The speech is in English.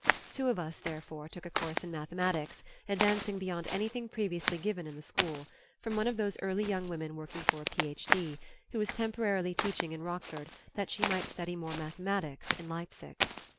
Two of us, therefore, took a course in mathematics, advanced beyond anything previously given in the school, from one of those early young women working for a Ph.D., who was temporarily teaching in Rockford that she might study more mathematics in Leipsic.